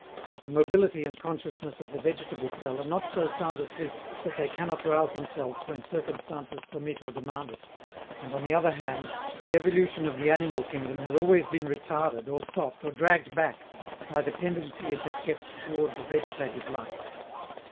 The mobility and consciousness of the vegetable cell are not so sound asleep that they cannot rouse themselves when circumstances permit or demand it; and, on the other hand, the evolution of the animal kingdom has always been retarded, or stopped, or dragged back, by the tendency it has kept toward the vegetative life.